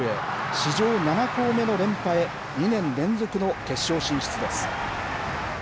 史上７校目の連覇へ、２年連続の決勝進出です。